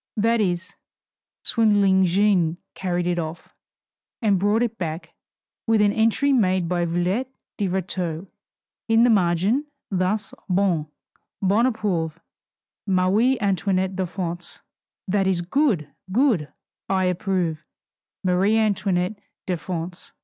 That is, swindling Jeanne carried it off, and brought it back, with an entry made by Villette de Rétaux in the margin, thus: "Bon, bon Approuvé, Marie Antoinette de France." That is, "Good, good I approve. Marie Antoinette de France."